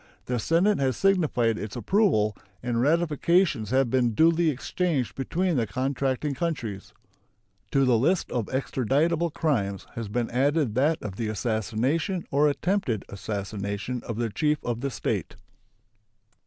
The Senate has signified its approval, and ratifications have been duly exchanged between the contracting countries. To the list of extraditable crimes has been added that of the assassination or attempted assassination of the chief of the State.